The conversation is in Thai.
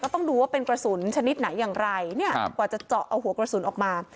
ต้องดูว่าเป็นกระสุนชนิดไหนอย่างไรเนี่ยกว่าจะเจาะเอาหัวกระสุนออกมา